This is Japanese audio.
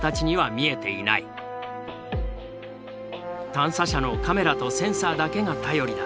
探査車のカメラとセンサーだけが頼りだ。